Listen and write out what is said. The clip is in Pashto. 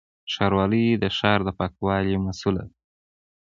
ښاروالي د ښار د پاکوالي مسووله ده